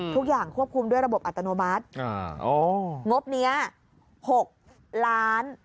ทุกอย่างควบคุมด้วยระบบอัตโนมัติงบเนี้ยหกล้าน